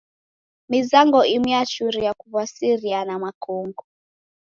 Mizango imu yachuria kuw'asiriana makongo.